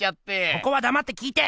ここはだまって聞いて！